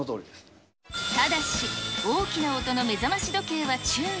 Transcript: ただし、大きな音の目覚まし時計は注意。